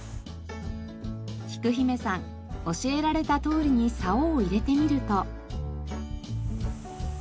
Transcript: きく姫さん教えられたとおりにさおを入れてみると。